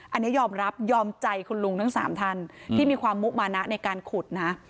อันนี้ยอมรับยอมใจคุณลุงทั้ง๓ท่านที่มีความมุมานะในการขุดนะ